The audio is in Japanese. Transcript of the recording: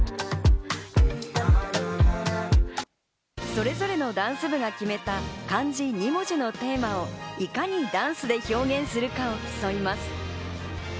それぞれのダンス部が決めた漢字２文字のテーマをいかにダンスで表現するかを競います。